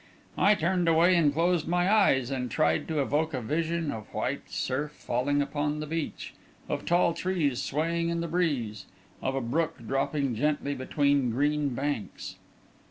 I turned away and closed my eyes, and tried to evoke a vision of white surf falling upon the beach, of tall trees swaying in the breeze, of a brook dropping gently between green banks.